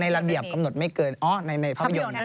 ระเบียบกำหนดไม่เกินในภาพยนตร์